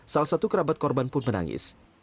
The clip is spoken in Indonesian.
salah satu kerabat korban pun menangis